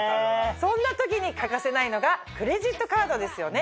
そんな時に欠かせないのがクレジットカードですよね。